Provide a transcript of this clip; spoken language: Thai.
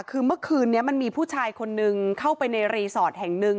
คือเมื่อคืนนี้มันมีผู้ชายคนนึงเข้าไปในรีสอร์ทแห่งหนึ่ง